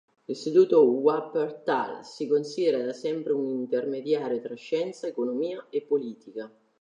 L'Istituto Wuppertal si considera da sempre un intermediario tra scienza, economia e politica.